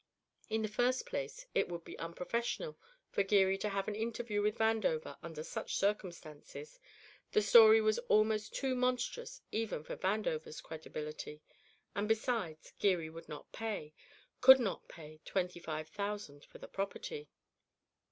In the first place, it would be unprofessional for Geary to have an interview with Vandover under such circumstances, the story was almost too monstrous even for Vandover's credibility, and besides, Geary would not pay, could not pay twenty five thousand for the property.